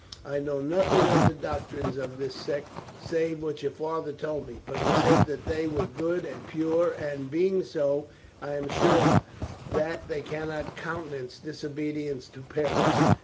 I know nothing of the doctrines of this sect save what your father told me; but he said that they were good and pure, and, being so, I am sure that they cannot countenance disobedience to parents."